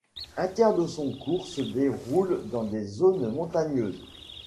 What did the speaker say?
Un tiers de son cours se déroule dans des zones montagneuses.